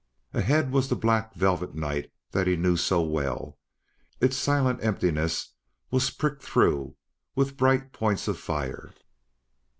Ahead was the black velvet night that he knew so well; its silent emptiness was pricked through with bright points of fire.